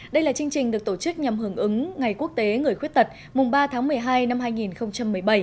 đây là chương trình được tổ chức nhằm hưởng ứng ngày quốc tế người khuyết tật mùng ba tháng một mươi hai năm hai nghìn một mươi bảy